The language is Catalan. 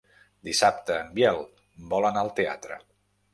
Dissabte en Biel vol anar al teatre.